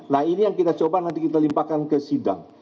nah ini yang kita coba nanti kita limpahkan ke sidang